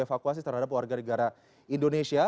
evakuasi terhadap warga negara indonesia